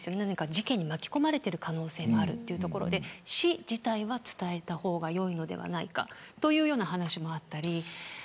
事件に巻き込まれている可能性もあるということで死自体は伝えた方が良いのではないかという話もあったり。